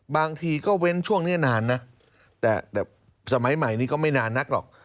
บางทีก็เว้นช่วงนี้นานนะแต่สมัยใหม่นี้ก็ไม่นานนักหรอก